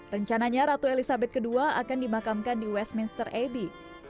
rencananya ratu elizabeth ii akan dimakamkan di westminster abbey